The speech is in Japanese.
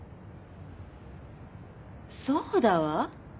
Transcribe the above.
そうだわ。